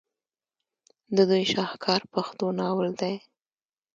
د دوي شاهکار پښتو ناول دے